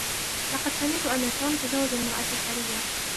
لقد سمعت أن توم تزوج بامرأة ثرية